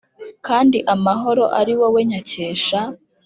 Kandi amahoro ari wowe nyakesha.